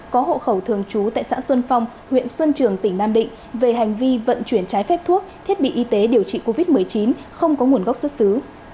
có hộ khẩu thường trú tại xã xuân phong huyện xuân trường tỉnh nam định về hành vi vận chuyển trái phép thuốc thiết bị y tế điều trị covid một mươi chín không có nguồn gốc xuất xứ